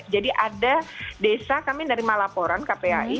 jadi ada desa kami nerima laporan kpai